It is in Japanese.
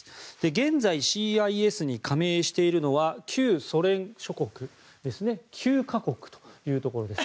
現在、ＣＩＳに加盟しているのは旧ソ連圏諸国９か国というところです。